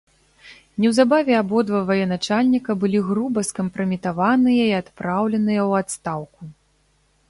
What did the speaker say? Неўзабаве абодва ваеначальніка былі груба скампраметаваныя і адпраўленыя ў адстаўку.